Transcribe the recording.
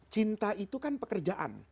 cinta itu kan pekerjaan